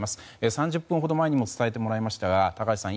３０分ほど前にも伝えてもらいましたが高橋さん